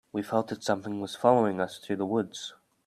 We felt that something was following us through the woods.